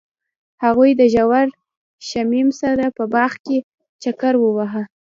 هغوی د ژور شمیم سره په باغ کې چکر وواهه.